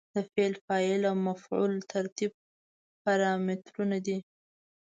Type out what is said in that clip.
د فعل، فاعل او مفعول ترتیب پارامترونه دي.